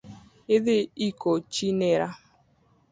Adhi iko chi near